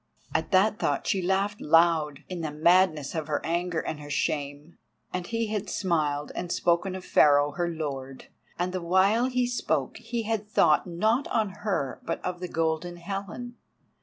At that thought she laughed out, in the madness of her anger and her shame. And he had smiled and spoken of Pharaoh her lord—and the while he spoke he had thought not on her but of the Golden Helen.